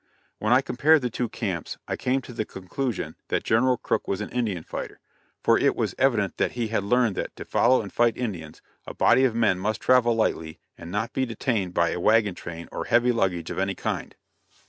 When I compared the two camps, I came to the conclusion that General Crook was an Indian fighter; for it was evident that he had learned that, to follow and fight Indians, a body of men must travel lightly and not be detained by a wagon train or heavy luggage of any kind.